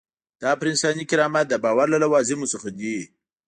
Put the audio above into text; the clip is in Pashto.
دا پر انساني کرامت د باور له لوازمو څخه دی.